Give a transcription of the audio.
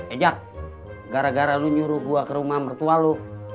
ejak gara gara lu nyuruh gua ke rumah mertua lo